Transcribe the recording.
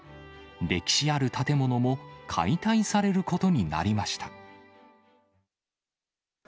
歴史ある建物も解体されることになりました。